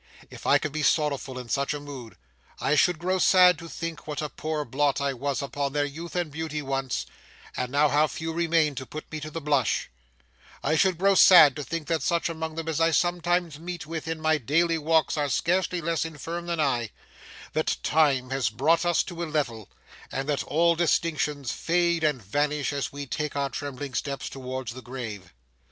If I could be sorrowful in such a mood, I should grow sad to think what a poor blot I was upon their youth and beauty once, and now how few remain to put me to the blush; I should grow sad to think that such among them as I sometimes meet with in my daily walks are scarcely less infirm than I; that time has brought us to a level; and that all distinctions fade and vanish as we take our trembling steps towards the grave.